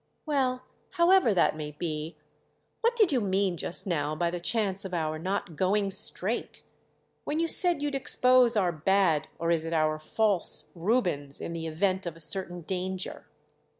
"Well, however that may be, what did you mean just now by the chance of our not 'going straight'? When you said you'd expose our bad—or is it our false?—Rubens in the event of a certain danger."